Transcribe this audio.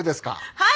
はい！